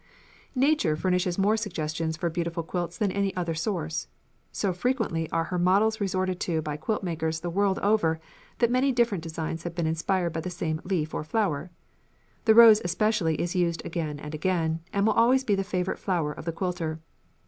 Nature furnishes more suggestions for beautiful quilt designs than any other source. So frequently are her models resorted to by quilt makers the world over that many different designs have been inspired by the same leaf or flower. The rose especially is used again and again, and will always be the favourite flower of the quilter.